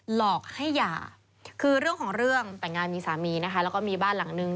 หลอกให้หย่าคือเรื่องของเรื่องแต่งงานมีสามีนะคะแล้วก็มีบ้านหลังนึง